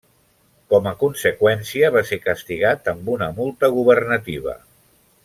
Com a conseqüència, va ser castigat amb una multa governativa.